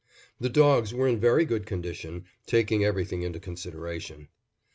The dogs were in very good condition, taking everything into consideration.